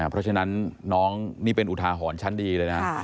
เพราะฉะนั้นน้องนี่เป็นอุทาหรณ์ชั้นดีเลยนะ